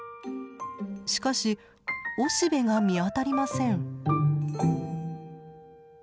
しかし雄しべが見当たりません。